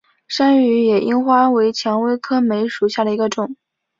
兰屿野樱花为蔷薇科梅属下的一个种。